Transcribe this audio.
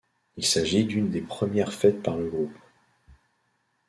Il s'agit d'une des premières faites par le groupe.